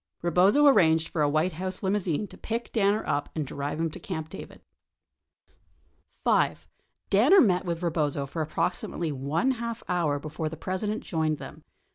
Eebozo arranged for a White House limousine to pick Danner up and drive him to Camp David. 5. Danner met with Eebozo for approximately one half hour before the President joined them.